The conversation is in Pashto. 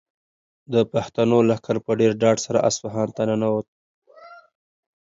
د پښتنو لښکر په ډېر ډاډ سره اصفهان ته ننووت.